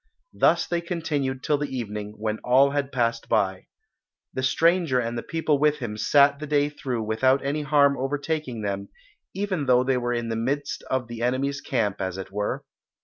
Thus they continued till the evening, when all had passed by. The stranger and the people with him sat the day through without any harm overtaking them, even though they were in the midst of the enemy's camp, as it were.